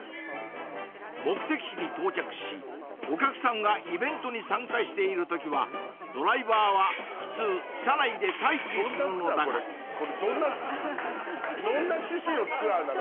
目的地に到着しお客さんがイベントに参加している時はドライバーは普通車内で待機するのだがどんな趣旨のツアーなの？